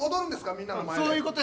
みんなの前で。